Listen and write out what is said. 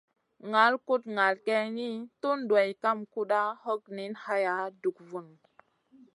Ŋal kuɗ ŋal geyni, tun duwayda kam kuɗa, hog niyn haya, dug vun.